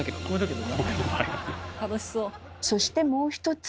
そしてもう一つ。